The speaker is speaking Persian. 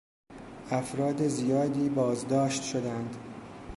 افراد زیادی بازداشت شدند.